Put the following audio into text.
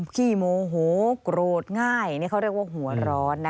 ขี้โมโหโกรธง่ายนี่เขาเรียกว่าหัวร้อนนะ